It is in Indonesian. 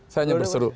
saya hanya berseru